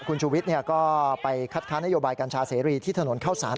คุณชูวิทย์ก็ไปคัดค้านนโยบายกัญชาเสรีที่ถนนเข้าสาร